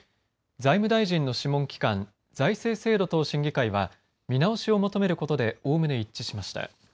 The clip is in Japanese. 財務大臣の諮問機関、財政制度等審議会は見直しを求めることでおおむね一致しました。